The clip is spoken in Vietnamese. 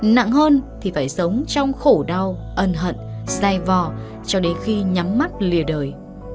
nặng hơn thì phải sống trong khổ đau ân hận sai vò cho đến khi nhắm mắt lìa đời